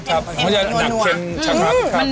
ใช่มันจะหนักเค็มชะมัด